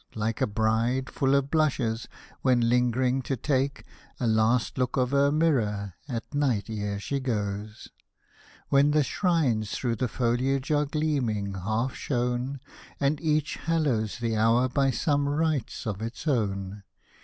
Like a bride, full of blushes, when ling'ring to take A last look of her mirror at night ere she goes !— When the shrines through the foliage are gleaming half shown, And each hallows the hour by some rites of its own.